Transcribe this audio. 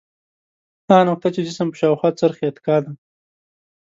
هغه نقطه چې جسم په شاوخوا څرخي اتکا ده.